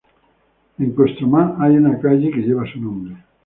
En Kostromá hay una calle que lleva su nombre.